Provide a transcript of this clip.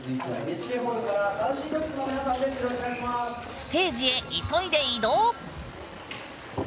ステージへ急いで移動！